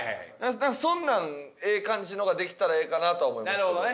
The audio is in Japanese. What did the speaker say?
だからそんなんええ感じのができたらええかなとは思いますけど。